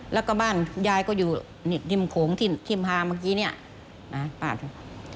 และก็บ้านหญ้ายก็อยู่ดิมโขงที่มหาวแม่งเมื่อกี้นี่